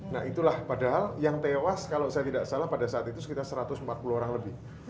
nah itulah padahal yang tewas kalau saya tidak salah pada saat itu sekitar satu ratus empat puluh orang lebih